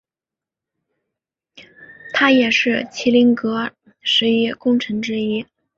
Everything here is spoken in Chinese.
他也是麒麟阁十一功臣之一。